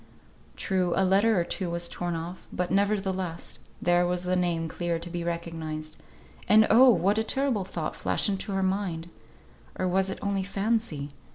True, a letter or two was torn off, but, nevertheless, there was the name clear to be recognised. And oh! what terrible thought flashed into her mind; or was it only fancy?